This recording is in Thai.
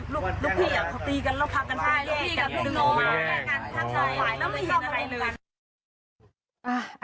ลูกพี่กับลูกน้องแค่กันพักใส่แล้วไม่เห็นอะไรหนึ่งกัน